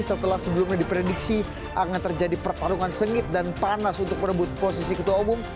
setelah sebelumnya diprediksi akan terjadi pertarungan sengit dan panas untuk merebut posisi ketua umum